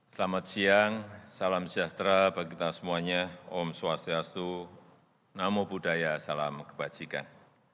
selamat siang salam sejahtera bagi kita semuanya om swastiastu namo buddhaya salam kebajikan